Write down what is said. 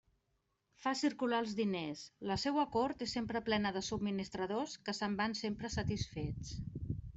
Fa circular els diners; la seua cort és sempre plena de subministradors que se'n van sempre satisfets.